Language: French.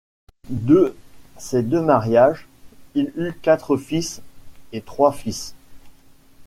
De ses deux mariages il eut quatre fils et trois fils.